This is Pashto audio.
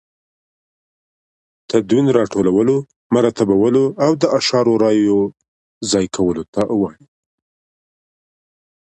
تدوین راټولو، مرتبولو او د اشعارو رايو ځاى کولو ته وايي.